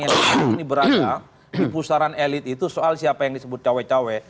yang saat ini berada di pusaran elit itu soal siapa yang disebut cawe cawe